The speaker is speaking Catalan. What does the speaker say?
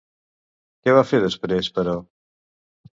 Què va fer després, però?